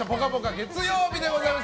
月曜日でございます。